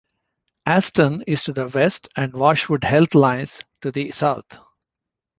Aston is to the west and Washwood Heath lies to the south.